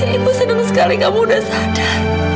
ibu senang sekali kamu udah sadar